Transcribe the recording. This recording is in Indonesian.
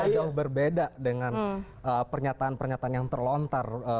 jauh berbeda dengan pernyataan pernyataan yang terlontar